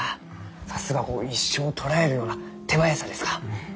さすが一瞬を捉えるような手早さですか。